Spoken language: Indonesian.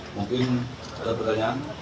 mungkin ada pertanyaan